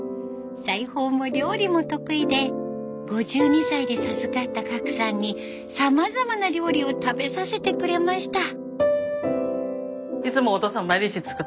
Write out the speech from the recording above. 裁縫も料理も得意で５２歳で授かった革さんにさまざまな料理を食べさせてくれました。